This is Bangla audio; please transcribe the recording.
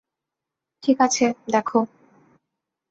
ঠিক আছে, দেখো।